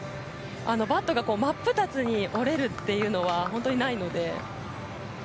バットが真っ二つに折れるというのは本当にないので。